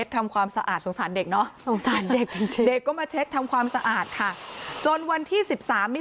ตอนต่อไป